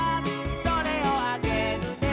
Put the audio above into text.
「それをあげるね」